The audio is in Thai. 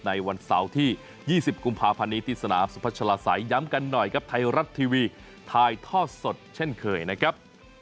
ในวันเสาร์ที่๒๐กุมภาพันธ์นี้ที่สนามสุพัชลาศัยย้ำกันหน่อยครับไทยรัฐทีวีถ่ายทอดสดเช่นเคยนะครับ